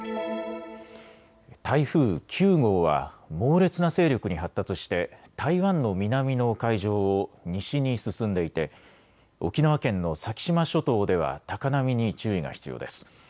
台風９号は猛烈な勢力に発達して台湾の南の海上を西に進んでいて沖縄県の先島諸島では高波に注意が必要です。